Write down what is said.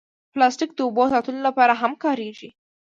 پلاستيک د اوبو ساتلو لپاره هم کارېږي.